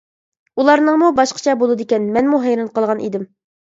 ئۇلارنىڭمۇ باشقىچە بولدىكەن مەنمۇ ھەيران قالغان ئىدىم.